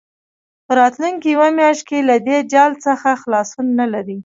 په راتلونکې یوه میاشت کې له دې جال څخه خلاصون نه لري.